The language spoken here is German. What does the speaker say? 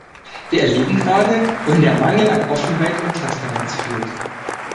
Wir erleben gerade, wohin der Mangel an Offenheit und Transparenz führt.